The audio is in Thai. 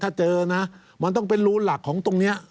ถ้าเจอนะมันต้องเป็นรูหลักของตรงนี้